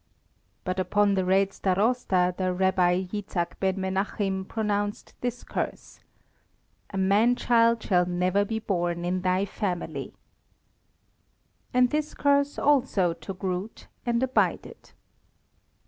But upon the Red Starosta the Rabbi Jitzchak Ben Menachim pronounced this curse "A manchild shall never be borne in thy family!" And this curse also took root and abided.